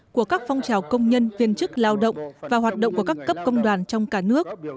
của các phong trào công nhân viên chức lao động và hoạt động của các cấp công đoàn trong cả nước